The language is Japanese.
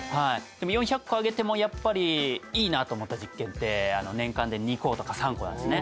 でも４００個あげてもやっぱり良いなと思った実験ってあの年間で２個とか３個なんですね。